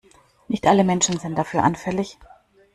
Nicht alle Menschen sind dafür anfällig.